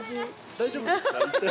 大丈夫ですか？